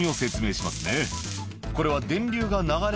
「これは」